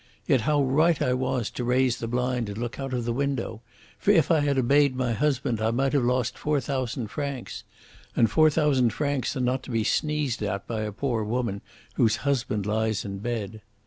Yet how right I was to raise the blind and look out of the window! For if I had obeyed my husband I might have lost four thousand francs. And four thousand francs are not to be sneezed at by a poor woman whose husband lies in bed.